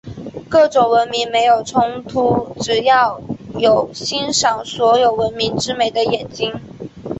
各种文明本没有冲突，只是要有欣赏所有文明之美的眼睛。